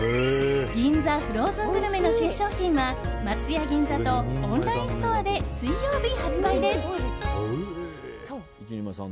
ギンザフローズングルメの新商品は松屋銀座とオンラインストアで水曜日、発売です。